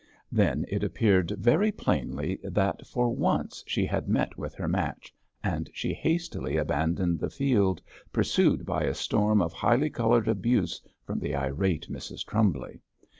Then it appeared very plainly that for once she had met with her match, and she hastily abandoned the field, pursued by a storm of highly coloured abuse from the irate Mrs Trumbly.